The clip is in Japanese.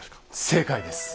正解です。